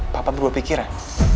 papa berubah pikiran